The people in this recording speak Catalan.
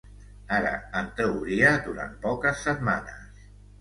Ara, en teoria, durant poques setmanes.